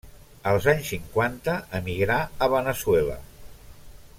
Els anys cinquanta emigrà a Veneçuela.